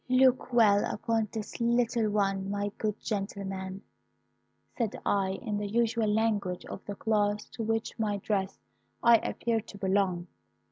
"'Look well upon this little one, my good gentleman,' said I, in the usual language of the class to which by my dress I appeared to belong.